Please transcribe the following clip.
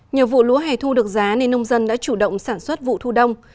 nhờ vụ lúa hẻ thu được giá nên nông dân đã chủ động sản xuất vụ thu đông